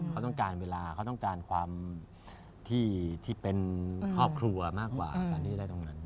เขาต้องการเวลาเขาต้องการความที่เป็นครอบครัวมากกว่าการที่จะได้ตรงนั้น